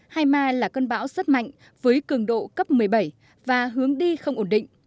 hai ma là cơn bão rất mạnh với cường độ cấp một mươi bảy và hướng đi không ổn định